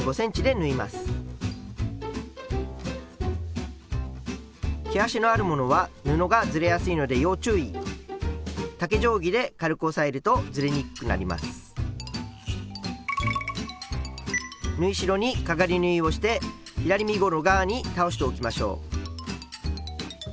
縫い代にかがり縫いをして左身ごろ側に倒しておきましょう。